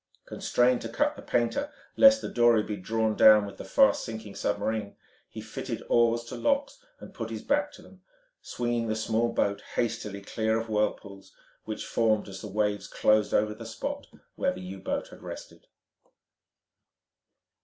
Constrained to cut the painter lest the dory be drawn down with the fast sinking submarine, he fitted oars to locks and put his back to them, swinging the small boat hastily clear of whirlpools which formed as the waves closed over the spot where the U boat had rested.